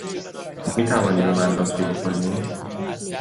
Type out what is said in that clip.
می توانی به من لطفی بکنی؟